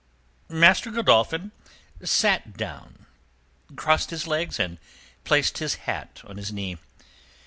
Master Godolphin sat down, crossed his legs and placed his hat on his knee.